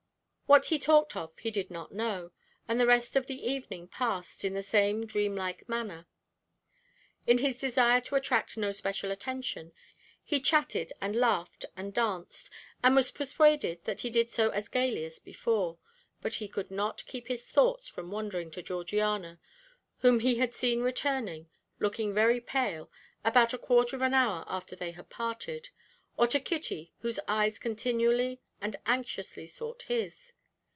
What he talked of he did not know, and the rest of the evening passed in the same dreamlike manner. In his desire to attract no special attention, he chatted and laughed and danced, and was persuaded that he did so as gaily as before, but he could not keep his thoughts from wandering to Georgiana, whom he had seen returning, looking very pale, about a quarter of an hour after they had parted, or to Kitty, whose eyes continually and anxiously sought his.